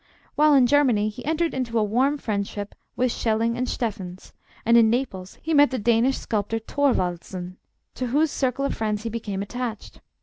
While in Germany he entered into a warm friendship with Schelling and Steffens, and in Naples he met the Danish sculptor Thorwaldsen, to whose circle of friends he became attached.